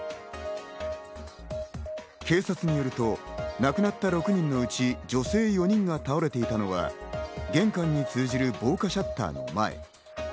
警察によると、亡くなった６人のうち女性４人が倒れていたのは玄関に通じる防火シャッターの前。